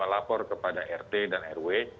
lapor kepada rt dan rw